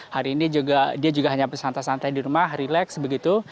hari ini dia juga hanya bersantai santai di rumah relax begitu